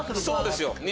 そうですよ。